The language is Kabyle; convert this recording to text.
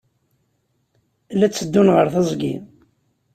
La tteddun ɣer teẓgi.